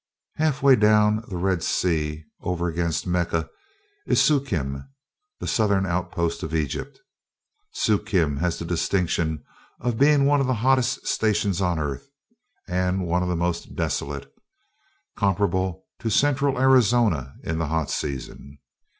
Halfway down the Red Sea, over against Mecca, is Suakim, the southern outpost of Egypt. Suakim has the distinction of being one of the hottest stations on earth, and one of the most desolate, comparable to Central Arizona in the hot season.